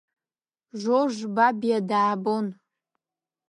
Жорж Бабиа даабон.